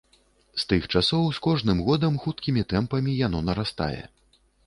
З тых часоў з кожным годам хуткімі тэмпамі яно нарастае.